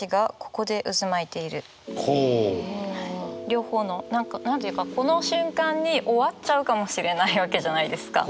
両方の何て言うかこの瞬間に終わっちゃうかもしれないわけじゃないですか。